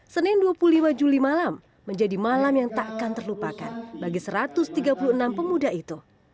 senin dua puluh lima juli malam menjadi malam yang tak akan terlupakan bagi satu ratus tiga puluh enam pemuda itu